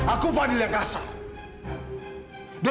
aku fadil yang kasar